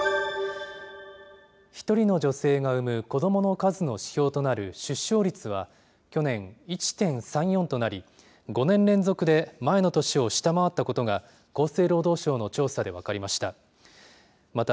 １人の女性が産む子どもの数の指標となる出生率は去年、１．３４となり、５年連続で前の年を下回ったことが、厚生労働省の調査で分かりました。